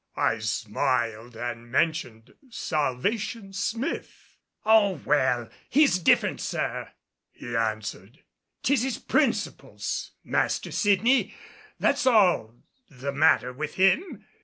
I smiled and mentioned Salvation Smith. "Oh well, he's different, sir," he answered. "'Tis his principles, Master Sydney. That's all's the matter with him.